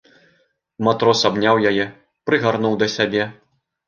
Матрос абняў яе, прыгарнуў да сябе.